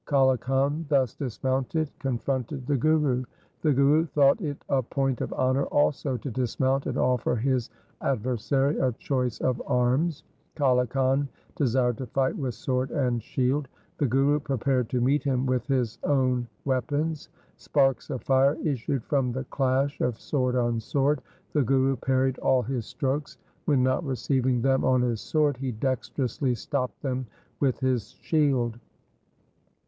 Kale Khan thus dismounted confronted the P2 212 THE SIKH RELIGION Guru. The Guru thought it a point of honour also to dismount and offer his adversary a choice of arms. Kale Khan desired to fight with sword and shield. The Guru prepared to meet him with his own weapons. Sparks of fire issued from the clash of sword on sword. The Guru parried all his strokes. When not receiving them on his sword he dexterously stopped them with his shield.